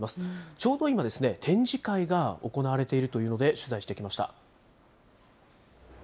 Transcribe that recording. ちょうど今、展示会が行われているというので、取材してきました。